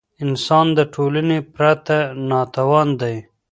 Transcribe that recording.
انسان د ټولني پرته ناتوان دی.